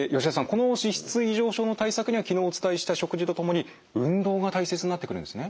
この脂質異常症の対策には昨日お伝えした食事と共に運動が大切になってくるんですね。